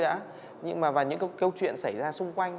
và những câu chuyện xảy ra xung quanh